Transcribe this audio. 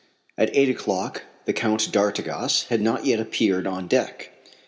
At eight o'clock the Count d'Artigas had not yet appeared on deck.